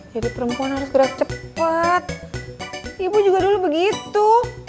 jadi perempuan harus gerak cepet ibu juga dulu begitu